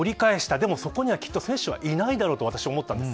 でも、そこにはきっと選手はいないだろうと私は思ったんです。